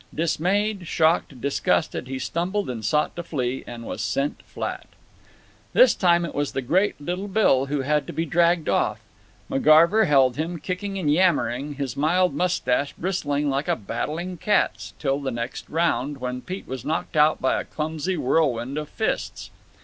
Dismayed, shocked, disgusted, he stumbled and sought to flee, and was sent flat. This time it was the great little Bill who had to be dragged off. McGarver held him, kicking and yammering, his mild mustache bristling like a battling cat's, till the next round, when Pete was knocked out by a clumsy whirlwind of fists.